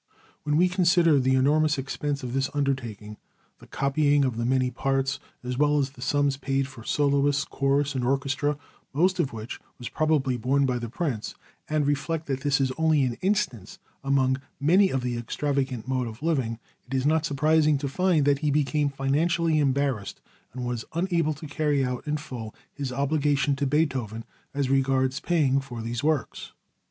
When we consider the enormous expense of this undertaking, the copying of the many parts, as well as the sums paid for soloists, chorus and orchestra, most of which was probably borne by the Prince, and reflect that this is only an instance among many of his extravagant mode of living, it is not surprising to find that he became financially embarrassed, and was unable to carry out in full his obligation to Beethoven as regards paying for these works.